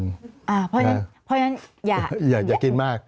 เพราะฉะนั้นอยากกินมาก